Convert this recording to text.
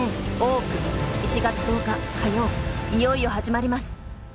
いよいよ始まります。